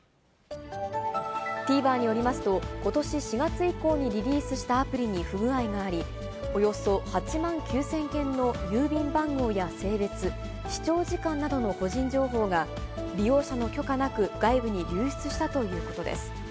ＴＶｅｒによりますと、ことし４月以降にリリースしたアプリに不具合があり、およそ８万９０００件の郵便番号や性別、視聴時間などの個人情報が、利用者の許可なく外部に流出したということです。